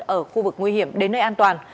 ở khu vực nguy hiểm đến nơi an toàn